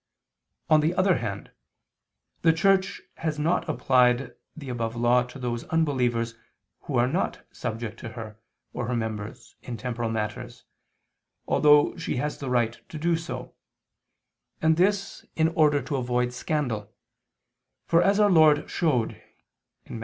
On the other hand, the Church has not applied the above law to those unbelievers who are not subject to her or her members, in temporal matters, although she has the right to do so: and this, in order to avoid scandal, for as Our Lord showed (Matt.